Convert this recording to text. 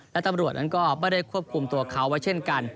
และตำรวจนั้นก็ไม่ได้ควบคุมตัวเขาไว้เช่นกัน